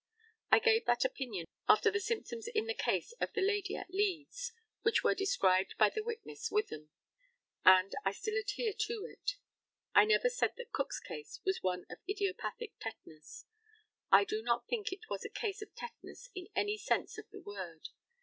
I gave that opinion after the symptoms in the case of the lady at Leeds, which were described by the witness Witham, and I still adhere to it. I never said that Cook's case was one of idiopathic tetanus. I do not think it was a case of tetanus in any sense of the word.